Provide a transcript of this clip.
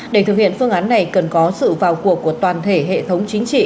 để thực hiện phương án này cần có sự vào cuộc của toàn thể hệ thống chính trị